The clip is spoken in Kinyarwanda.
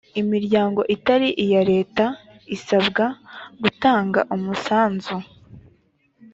imiryango itari iya leta isabwa gutanga umusanzu.